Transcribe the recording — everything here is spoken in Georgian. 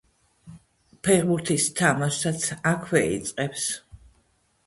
ფეხბურთის თამაშსაც აქვე იწყებს.